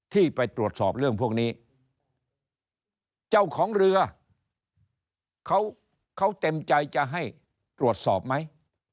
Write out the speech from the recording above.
ที่ไปตรวจสอบเรื่องพวกนี้เจ้าของเรือเขาเต็มใจจะให้ตรวจสอบไหม